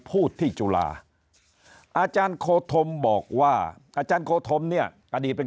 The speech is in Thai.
พูดที่จุฬาอาจารย์โคธมบอกว่าอาจารย์โคธมเนี่ยอดีตเป็น